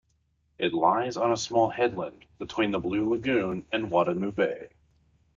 It lies on a small headland, between the Blue Lagoon and Watamu Bay.